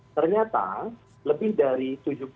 ternyata lebih dari tujuh puluh delapan puluh